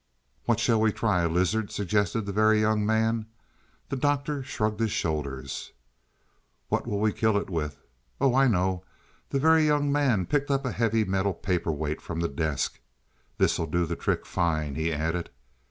"What shall we try, a lizard?" suggested the Very Young Man. The Doctor shrugged his shoulders. "What'll we kill it with? Oh, I know." The Very Young Man picked up a heavy metal paper weight from the desk. "This'll do the trick, fine," he added.